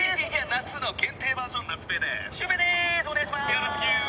「よろしく！」